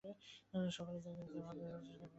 সকল জায়গাতেই যে ভাবের ঘরে চুরি, কেবল তাঁর ঘর ছাড়া।